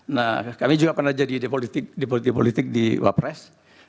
nah kami juga pernah jadi di politik politik di wapres